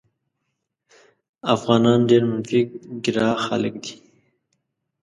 افغانان ډېر منفي ګرا خلک دي.